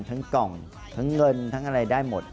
กล่องทั้งเงินทั้งอะไรได้หมด